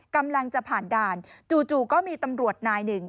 กำลังจะผ่านด่านจู่ก็มีตำรวจนายหนึ่ง